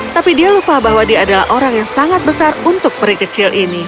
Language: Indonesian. tapi dia lupa bahwa dia adalah orang yang sangat besar untuk peri kecil ini